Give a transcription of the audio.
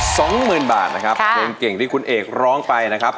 สองหมื่นบาทนะครับเพลงเก่งที่คุณเอกร้องไปนะครับ